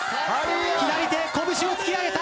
左手拳を突き上げた。